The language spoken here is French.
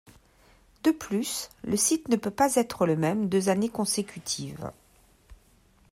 De plus, le site ne peut pas être le même deux années consécutives.